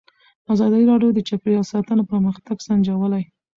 ازادي راډیو د چاپیریال ساتنه پرمختګ سنجولی.